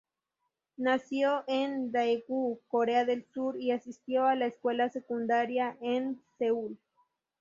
Nació en Daegu, Corea del Sur, y asistió a la escuela secundaria en Seúl.